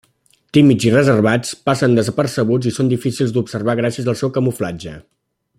Tímids i reservats, passen desapercebuts i són difícils d'observar gràcies al seu camuflatge.